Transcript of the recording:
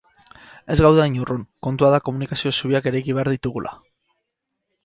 Ez gaude hain urrun, kontua da komunikazio zubiak eraiki behar ditugula.